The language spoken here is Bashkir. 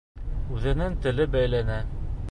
Үҙенең теле бәйләнә.